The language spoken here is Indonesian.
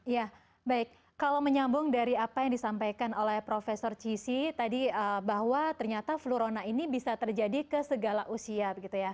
ya baik kalau menyambung dari apa yang disampaikan oleh prof cissy tadi bahwa ternyata flurona ini bisa terjadi ke segala usia